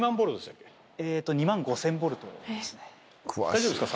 大丈夫ですか？